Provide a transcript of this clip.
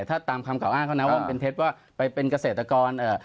ถ้าตามคำกล่าอ้างเขานะว่ามันเป็นเท็จว่าไปเป็นเกษตรกร